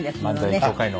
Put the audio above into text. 漫才協会の。